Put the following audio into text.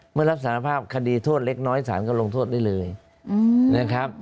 เมื่อรับสารภาพคดีโทษเล็กน้อยสารก็ลงโทษได้เลยนะครับ